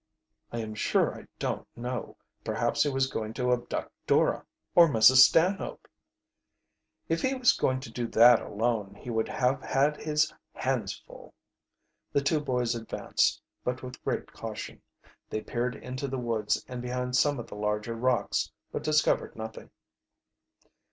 "I am sure I don't know. Perhaps he was going to abduct Dora or Mrs. Stanhope." "If he was going to do that alone, he would have had his hands full." The two boys advanced, but with great caution. They peered into the woods and behind some of the larger rocks, but discovered nothing.